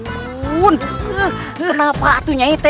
kenapa itu nyai